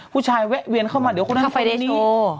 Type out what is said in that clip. ผู้ชายแและเวียนเข้ามาเดี๋ยวตอนนี้